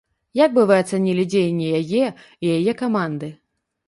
Як бы вы ацанілі дзеянні яе і яе каманды?